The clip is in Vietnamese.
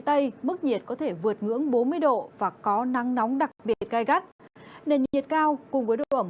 tây mức nhiệt có thể vượt ngưỡng bốn mươi độ và có nắng nóng đặc biệt gai gắt nền nhiệt cao cùng với độ ẩm